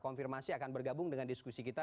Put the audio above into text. konfirmasi akan bergabung dengan diskusi kita